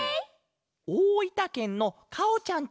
おおいたけんの「かおちゃん」